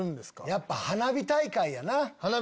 やっぱ花火大会やな。